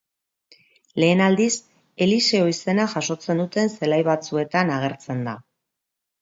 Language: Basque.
Lehen aldiz, Eliseo izena jasotzen duten zelai batzuetan agertzen da.